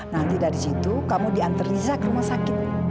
nanti dari situ kamu diantar riza ke rumah sakit